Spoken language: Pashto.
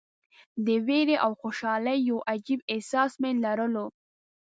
د ویرې او خوشالۍ یو عجیب احساس مې لرلو.